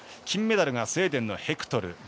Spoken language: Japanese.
金メダルがスウェーデンのヘクトル。